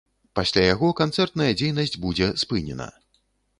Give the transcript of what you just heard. Пасля яго канцэртная дзейнасць будзе спынена.